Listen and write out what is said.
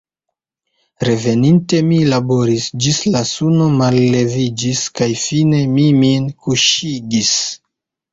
Reveninte, mi laboris ĝis la suno malleviĝis, kaj fine mi min kuŝigis.